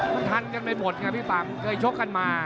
มันทันอย่างใกล้หมดครับพี่ปั้งเคยโชคกันมา